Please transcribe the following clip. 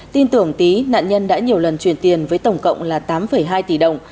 tin tưởng tý nạn nhân đã nhiều lần truyền tiền với tổng cộng là tám hai tỷ đồng